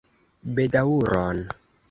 Bedaŭron.